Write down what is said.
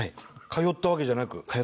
通ったわけじゃなく。